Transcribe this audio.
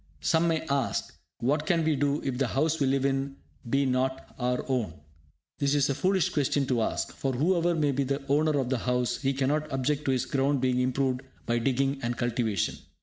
Some may ask, "What can we do if the house we live in be not our own?" This is a foolish question to ask, for, whoever may be the owner of the house, he cannot object to his ground being improved by digging and cultivation.